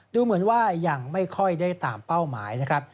ดูเหมือนว่ายังไม่ค่อยได้ตามเป้าหมายนะครับ